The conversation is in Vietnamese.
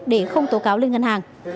để không tố cáo lên ngân hàng